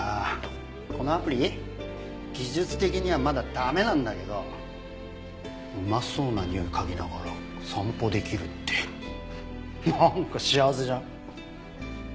このアプリ技術的にはまだ駄目なんだけどうまそうなにおいを嗅ぎながら散歩できるってなんか幸せじゃん。